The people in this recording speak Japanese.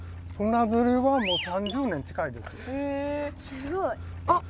すごい。